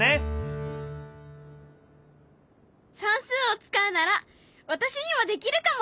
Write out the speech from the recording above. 算数を使うなら私にもできるかも。